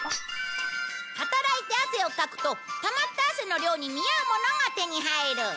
働いて汗をかくとたまった汗の量に見合うものが手に入る。